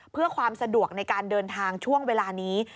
เพื่อความสะดวกในการเดินทางช่วงเวลานี้